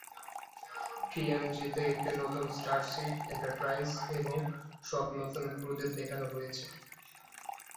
টিএনজি-তে একটি নতুন starship enterprise এবং সব নতুন ক্রুদের দেখানো হয়েছে।